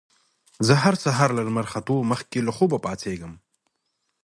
زه هر سهار له لمر ختو مخکې له خوبه پاڅېږم